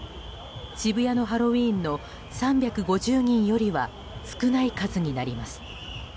渋谷のハロウィーンの３５０人よりは少ない数になります。